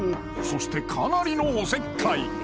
そしてかなりのおせっかい